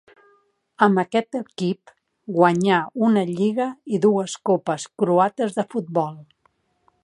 Amb aquest equip guanyà una lliga i dues copes croates de futbol.